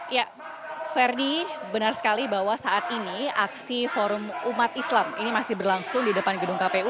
ya ferdi benar sekali bahwa saat ini aksi forum umat islam ini masih berlangsung di depan gedung kpu